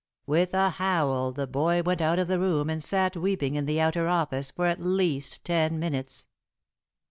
With a howl the boy went out of the room, and sat weeping in the outer office for at least ten minutes.